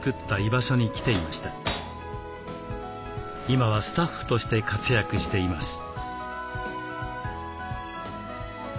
今はスタッフとして活躍しています。